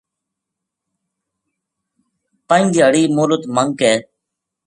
پنج دھیاڑی مہلت منگ کے